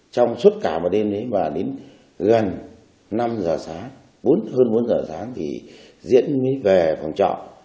trong suốt cả một đêm và đến gần năm giờ sáng hơn bốn giờ sáng thì diễn mới về phòng trọ